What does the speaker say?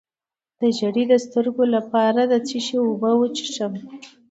د زیړي د سترګو لپاره د څه شي اوبه وڅښم؟